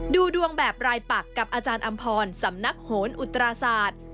ดูดวงแบบรายปักกับอาจารย์อำพรสำนักโหนอุตราศาสตร์